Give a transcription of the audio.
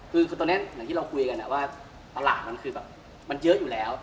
คือตอนนี้อย่างที่เราคุยกันว่าตลาดมันคือแบบมันเยอะอยู่แล้ว